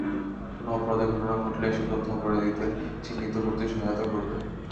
কোনো অপরাধের ঘটনা ঘটলে এসব তথ্য অপরাধীদের চিহ্নিত করতে সহায়তা করবে।